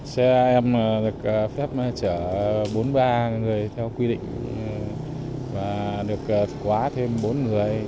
xe em được phép chở bốn mươi ba người theo quy định và được quá thêm bốn người